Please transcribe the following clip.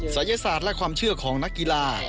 ศัยศาสตร์และความเชื่อของนักกีฬา